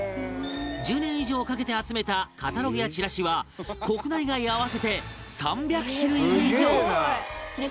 １０年以上かけて集めたカタログやチラシは国内外合わせて３００種類以上